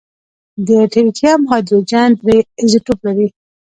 د ټریټیم هایدروجن درې ایزوټوپ دی.